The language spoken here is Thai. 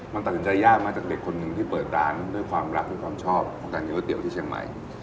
มันตัดสินใจยากไหมจากเด็กคนหนึ่งที่เปิดร้านด้วยความรักด้วยความชอบของการกินก๋วที่เชียงใหม่